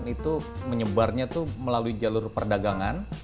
itu menyebarnya itu melalui jalur perdagangan